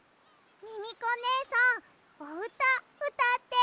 ミミコねえさんおうたうたって。